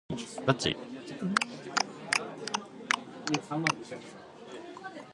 This sum included the purchase of the land.